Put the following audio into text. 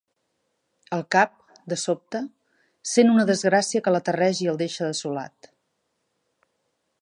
El cap, de sobte, "sent una desgràcia que l'aterreix i el deixa dessolat".